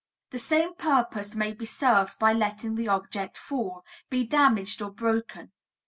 The same purpose may be served by letting the object fall, be damaged or broken.